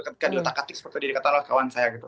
ketika diletakkan seperti dikatakan oleh kawan saya gitu